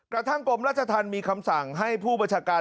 กระทั่งกลมรัชทันมีคำสั่งให้ผู้บราชการ